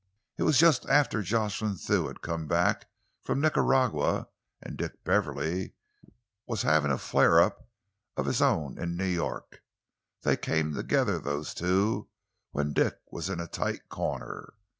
It was just after Jocelyn Thew had come back from Nicaragua and Dick Beverley was having a flare up of his own in New York. They came together, those two, when Dick was in a tight corner.